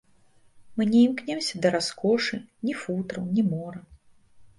Мы не імкнёмся да раскошы, ні футраў, ні мора.